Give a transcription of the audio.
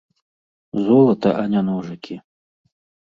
Золата, а не ножыкі.